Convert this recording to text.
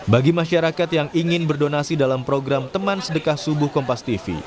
bagi masyarakat yang ingin berdonasi dalam program teman sedekah subuh kompas tv